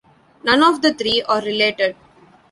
None of the three are related.